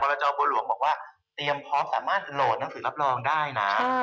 จอบัวหลวงบอกว่าเตรียมพร้อมสามารถโหลดหนังสือรับรองได้นะ